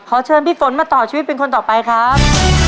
เชิญพี่ฝนมาต่อชีวิตเป็นคนต่อไปครับ